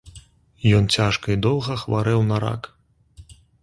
Ён цяжка і доўга хварэў на рак.